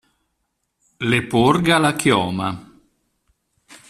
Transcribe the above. Le porga la chioma.